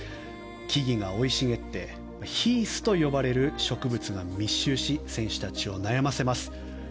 木々が生い茂ってヒースと呼ばれる植物が密集し選手たちを悩ませます。